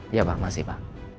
iya pa masih pa